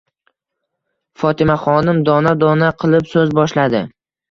Fotimaxonim dona-dona qilib so'z boshladi: